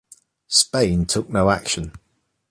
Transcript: Spain took no action.